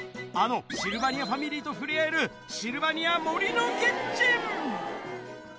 あのシルバニアファミリーと触れ合えるシルバニアもりのキッチン。